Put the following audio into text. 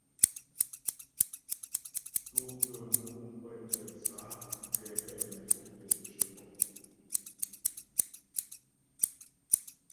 Tò pʉə̀ mò pə́ tə tsə á gɛ kə́ né fo'tə pyəshə pɔ.